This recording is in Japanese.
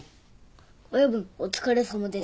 親分お疲れさまです。